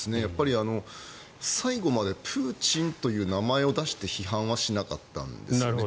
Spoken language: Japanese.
最後までプーチンという名前を出して批判はしなかったんですね。